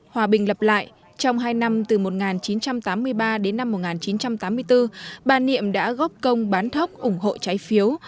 hòa bình lập lại trong hai năm từ một nghìn chín trăm tám mươi ba đến năm một nghìn chín trăm tám mươi bốn bà niệm đã góp công bán thóc ủng hộ trái phiếu